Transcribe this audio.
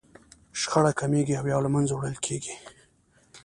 شخړه کمیږي او يا له منځه وړل کېږي.